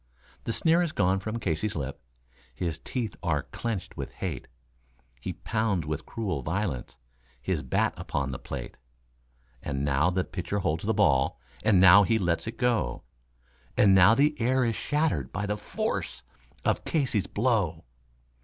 The sneer is gone from Casey's lip, his teeth are clenched with hate; He pounds with cruel violence his bat upon the plate; And now the pitcher holds the ball, and now he lets it go, And now the air is shattered by the force of Casey's blow.